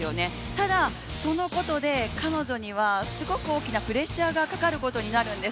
ただそのことで、彼女にはすごく大きなプレッシャーがかかることになるんです。